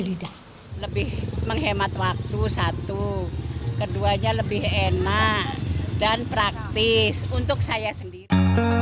lidah lebih menghemat waktu satu keduanya lebih enak dan praktis untuk saya sendiri